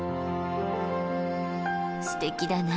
すてきだな。